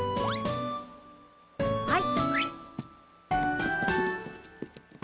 はい。